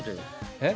えっ？